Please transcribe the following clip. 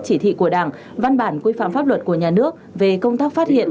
chỉ thị của đảng văn bản quy phạm pháp luật của nhà nước về công tác phát hiện